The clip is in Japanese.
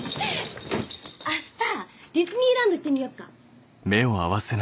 明日ディズニーランド行ってみよっか。